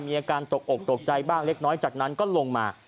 มีอาการตกอกตกใจบ้างเล็กน้อยจากนั้นก็ลงมา